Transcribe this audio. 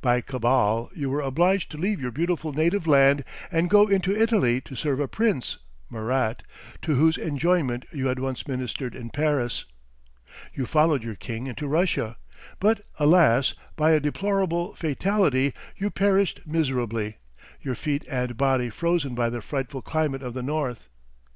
By cabal you were obliged to leave your beautiful native land, and go into Italy to serve a prince (Murat) to whose enjoyment you had once ministered in Paris. You followed your king into Russia. But alas, by a deplorable fatality, you perished miserably, your feet and body frozen by the frightful climate of the north.